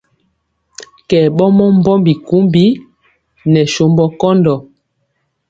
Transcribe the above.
Kɛ ɓɔmɔ mbɔmbi kumbi nɛ sombɔ kɔndɔ.